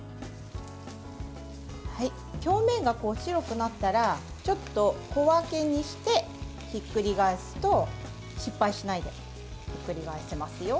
表面が白くなったら小分けにしてひっくり返すと失敗しないでひっくり返せますよ。